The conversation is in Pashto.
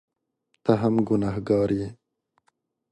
ته هم ګنهکاره یې !